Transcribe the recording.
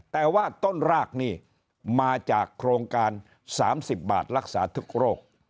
แต่ว่าต้นรากนี่มาจากโครงการ๓๐บาทรักษาทุกโรค